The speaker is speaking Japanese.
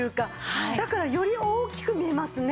だからより大きく見えますね。